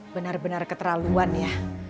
bener bener keterlaluan ya